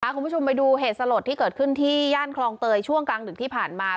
คุณผู้ชมไปดูเหตุสลดที่เกิดขึ้นที่ย่านคลองเตยช่วงกลางดึกที่ผ่านมา